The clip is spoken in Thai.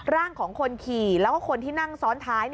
ร่างของคนขี่แล้วก็คนที่นั่งซ้อนท้าย